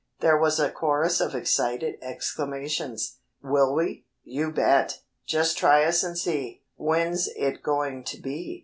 There was a chorus of excited exclamations, "Will we?" "You bet!" "Just try us and see." "When's it going to be?"